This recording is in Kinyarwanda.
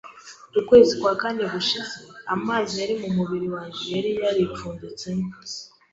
Ukwezi kwa kane gushize, amazi yari mu mubiri wanjye (yari yaripfunditsemo)